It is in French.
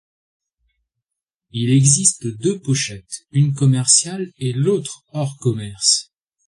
Il existe deux pochettes une commerciale et l'autre hors commerce.